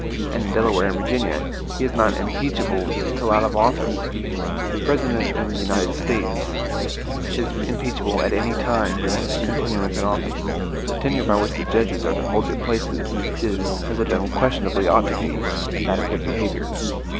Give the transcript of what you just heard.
And in Delaware and Virginia he is not impeachable till out of office. The President of the United States is impeachable at any time during his continuance in office. The tenure by which the judges are to hold their places, is, as it unquestionably ought to be, that of good behavior.